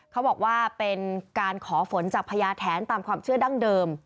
เขาบอกว่าเป็นการขอฝนจากพญาแถนตามความเชื่อดั้งเดิม